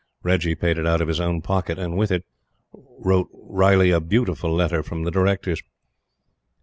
Reggie paid it out of his own pocket; and, with it, wrote Riley a beautiful letter from the Directors.